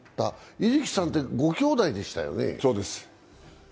入来さんってご兄弟でしたよね。